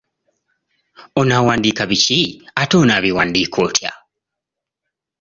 Onaawandiika biki ate onaabiwandiika otya?